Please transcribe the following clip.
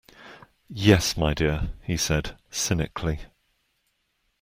Yes my dear, he said cynically.